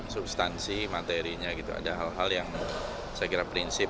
substansi materinya gitu ada hal hal yang saya kira prinsip